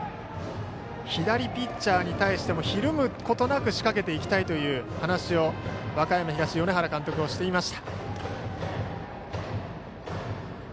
左ピッチャーに対してもひるむことなく仕掛けていきたいという話を和歌山東の米原監督もしていました。